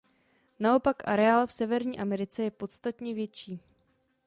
Naopak areál v Severní Americe je podstatně větší.